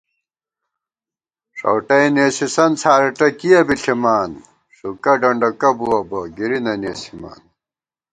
ݭؤٹئے نېسِسن څھارېٹہ کِیہ بی ݪِمان * ݭُوکہ ڈنڈَکہ بُوَہ بہ، گِری نہ نېسِمان